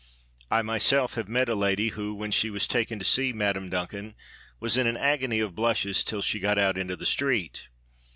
I myself have met a lady, who, when she was taken to see Madame Duncan, was in an agony of blushes till she got out into the street.